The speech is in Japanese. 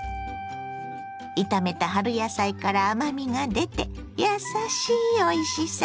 炒めた春野菜から甘みが出てやさしいおいしさ。